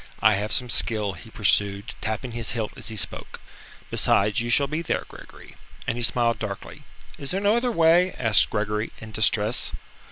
I have some skill," he pursued, tapping his hilt as he spoke, "besides, you shall be there, Gregory." And he smiled darkly. "Is there no other way?" asked Gregory, in distress.